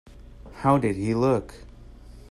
How did he look?